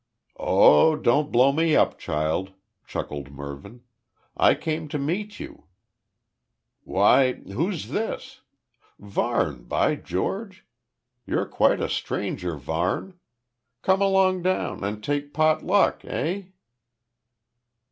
"Oh don't blow me up, child," chuckled Mervyn, "I came to meet you. Why who's this? Varne, by George. You're quite a stranger, Varne. Come along down and take pot luck. Eh?"